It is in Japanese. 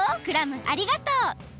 クラムありがとう！